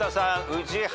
宇治原。